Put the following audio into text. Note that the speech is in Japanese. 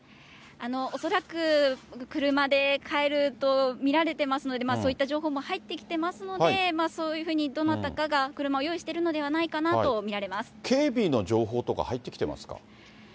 恐らく車で帰ると見られてますので、そういった情報も入ってきていますので、そういうふうにどなたかが車を用意しているのではないかなと見ら警備の情報とか入ってきてますか？